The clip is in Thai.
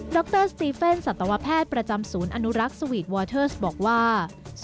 รสตีเฟนสัตวแพทย์ประจำศูนย์อนุรักษ์สวีทวอเทอร์สบอกว่า